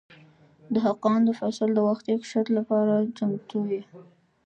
دهقان د فصل د وختي کښت لپاره چمتو وي.